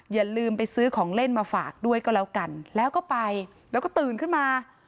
อย่าลืมไปซื้อของเล่นมาฝากด้วยก็แล้วกันแล้วก็ไปแล้วก็ตื่นขึ้นมา